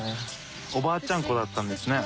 おばあちゃんっ子だったんですね。